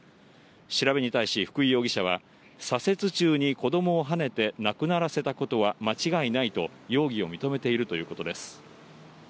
調べに対し、福井容疑者は、左折中に子どもをはねて亡くならせたことは間違いないと、容疑を認めているということです。